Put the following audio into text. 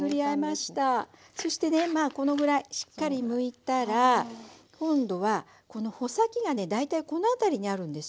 そしてねこのぐらいしっかりむいたら今度はこの穂先がね大体この辺りにあるんですよ。